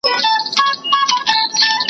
حکومت بايد د سياسي مخالفينو ږغ ته غوږ ونيسي.